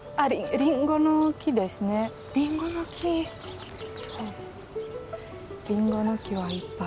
りんごの木はいっぱい。